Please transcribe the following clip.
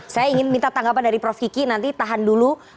saya ingin minta tanggapan dari prof kiki nanti tahan dulu